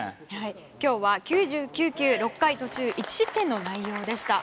今日は９９球６回途中１失点の内容でした。